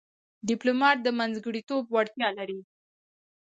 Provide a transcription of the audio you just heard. ډيپلومات د منځګړیتوب وړتیا لري.